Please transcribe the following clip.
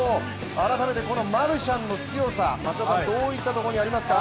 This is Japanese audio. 改めてこのマルシャンの強さどういったところにありますか。